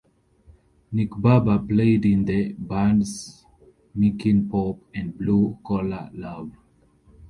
Nick Barber played in the bands Meekin Pop and Blue Collar Love.